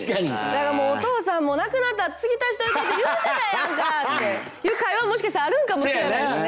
だから「お父さんもうなくなったら継ぎ足しといてって言うてたやんか」っていう会話もしかしたらあるんかもしれないですね。